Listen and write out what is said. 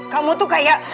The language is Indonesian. kamu tuh kayak